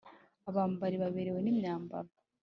Abambari baberewe n'imyambaro